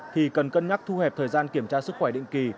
thì cần cân nhắc thu hẹp thời gian kiểm tra sức khỏe định kỳ